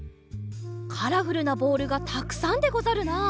カラフルなボールがたくさんでござるな。